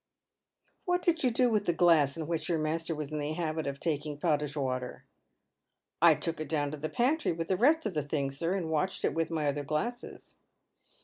" What did you do with the glass in which your master was in the habit of taking potash water? "" I took it down to the pantry with the rest of the tilings, sir, and washed it with my other glasses."